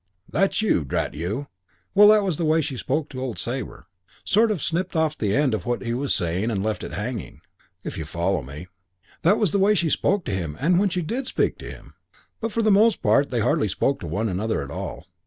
That's you, drat you.' Well, that was the way she spoke to old Sabre. Sort of snipped off the end of what he was saying and left it hanging, if you follow me. That was the way she spoke to him when she did speak to him. But for the most part they hardly spoke to one another at all.